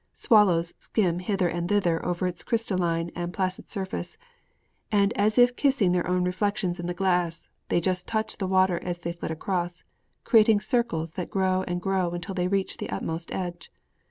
Swallows skim hither and thither over its crystalline and placid surface; and, as if kissing their own reflections in the glass, they just touch the water as they flit across, creating circles that grow and grow until they reach the utmost edge.